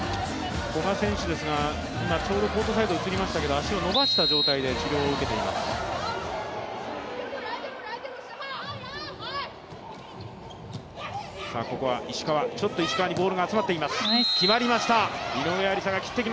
古賀選手ですが、ちょうどコートサイドが映りましたけど足を伸ばした状態で治療を受けています。